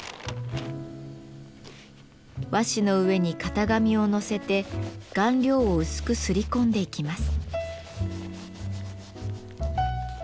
和紙の上に型紙を載せて顔料を薄く摺り込んでいきます。